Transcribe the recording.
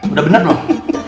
udah bener dong